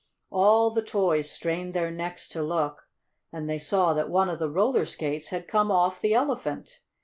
All the toys strained their necks to look, and they saw that one of the roller skates had come off the Elephant.